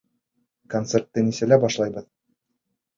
Концертты нисәлә башлайбыҙ?